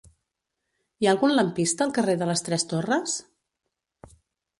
Hi ha algun lampista al carrer de les Tres Torres?